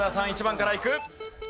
１番からいく。